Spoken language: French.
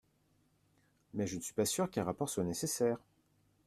Mais je ne suis pas sûr qu’un rapport soit nécessaire.